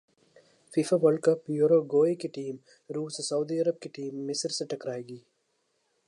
FIFA world cup Uruguay کی team روس سے سعودی عرب کی ٹیم مصر سے ٹکرائے گی